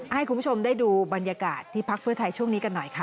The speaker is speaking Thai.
ให้คุณผู้ชมได้ดูบรรยากาศที่พักเพื่อไทยช่วงนี้กันหน่อยค่ะ